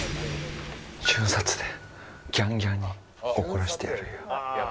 瞬殺でギャンギャンに怒らせてやるよ。